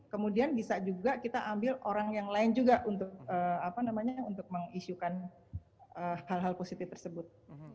kemudian bisa juga kita ambil orang yang lain juga untuk mengisukan hal hal positif tersebut